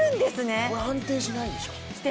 これは安定しないでしょ。